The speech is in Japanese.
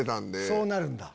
そうなるんだ。